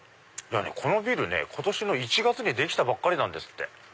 このビルね今年の１月にできたばっかりなんですって。